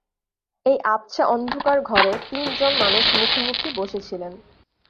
এই আবছা অন্ধকার ঘরে তিন জন মানুষ মুখোমুখি বসে ছিলেন।